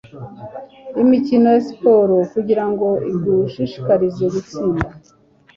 Imikino ya siporo kugirango igushishikarize gutsinda